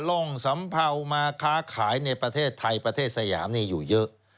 ร่องสำเภามาค้าขายในประเทศไทยประเทศสยามนี่อยู่เยอะ